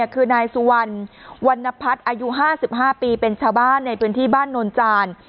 คือนายสุวรรณวรรณพัฒน์อายุ๕๕ปีเป็นชาวบ้านในพื้นที่บ้านโนนจาน